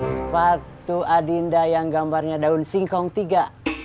sepatu adinda yang gambarnya daun singkong tiga